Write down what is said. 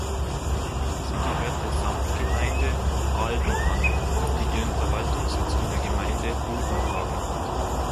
Sie gehört der Samtgemeinde Ahlden an, die ihren Verwaltungssitz in der Gemeinde Hodenhagen hat.